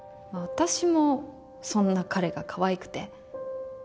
私もそんな彼がかわいくて。